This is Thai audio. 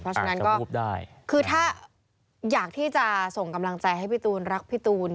เพราะฉะนั้นก็คือถ้าอยากที่จะส่งกำลังใจให้พี่ตูนรักพี่ตูน